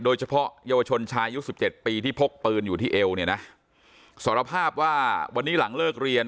โดยเฉพาะเยาวชนชายอายุสิบเจ็ดปีที่พกปืนอยู่ที่เอวเนี่ยนะสารภาพว่าวันนี้หลังเลิกเรียน